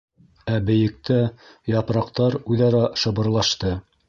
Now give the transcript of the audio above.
Ә бейектә япраҡтар үҙ-ара шыбырлашты.